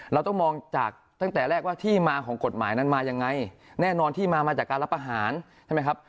เราต้องมองจากตั้งแต่แรกว่าที่มาของกฎหมายนั้นมายังไงแน่นอนที่มามาจากการรับอาหารใช่ไหมครับ